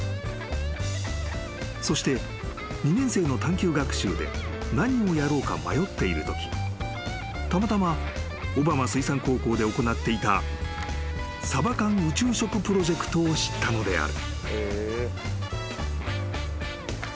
［そして２年生の探求学習で何をやろうか迷っているときたまたま小浜水産高校で行っていたサバ缶宇宙食プロジェクトを知ったのである］